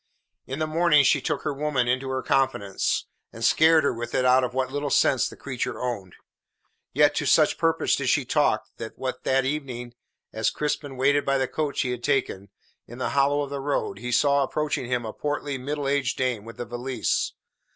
In the morning she took her woman into her confidence, and scared her with it out of what little sense the creature owned. Yet to such purpose did she talk, that when that evening, as Crispin waited by the coach he had taken, in the hollow of the road, he saw approaching him a portly, middle aged dame with a valise.